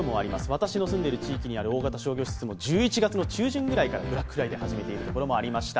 私の住んでいる地域にある大型商業施設も１１月の中旬ぐらいからブラックフライデーを始めているところもありました。